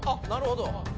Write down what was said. なるほど。